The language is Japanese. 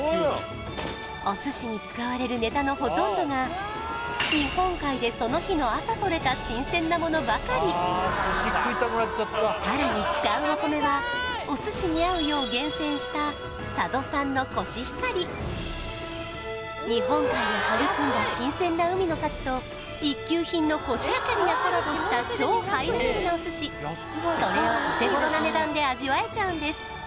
お寿司に使われるネタのほとんどが日本海でその日の朝とれた新鮮なものばかりさらに使うお米はお寿司に合うよう厳選した日本海が育んだ新鮮な海の幸と一級品のコシヒカリがコラボした超ハイレベルなお寿司それをお手頃な値段で味わえちゃうんです